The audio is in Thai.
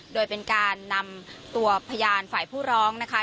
โดยเป็นการนำตัวพยานฝ่ายผู้ร้องนะคะ